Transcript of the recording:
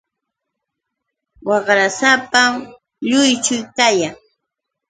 Waqrasapam lluychu kayan.